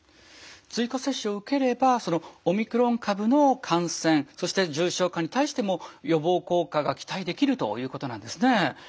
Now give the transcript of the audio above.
追加接種を受ければオミクロン株の感染そして重症化に対しても予防効果が期待できるということなんですね。